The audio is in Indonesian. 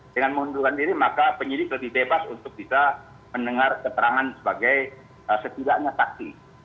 dengan mengundurkan diri maka penyidik lebih bebas untuk bisa mendengar keterangan sebagai setidaknya saksi